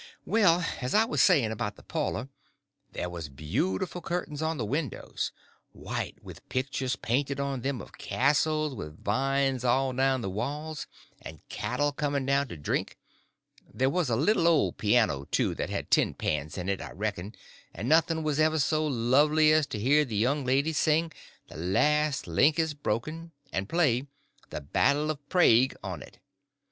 Well, as I was saying about the parlor, there was beautiful curtains on the windows: white, with pictures painted on them of castles with vines all down the walls, and cattle coming down to drink. There was a little old piano, too, that had tin pans in it, I reckon, and nothing was ever so lovely as to hear the young ladies sing "The Last Link is Broken" and play "The Battle of Prague" on it.